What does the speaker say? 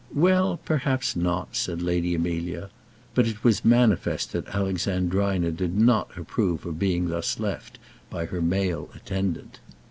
"Well, perhaps not," said Lady Amelia. But it was manifest that Alexandrina did not approve of being thus left by her male attendant.